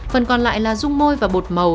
phần còn lại là dung môi và bột màu